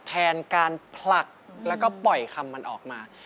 แทนการผลักแล้วก็ปล่อยคำมันออกมา